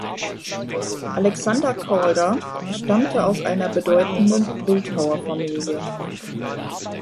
Alexander Calder stammte aus einer bedeutenden Bildhauerfamilie.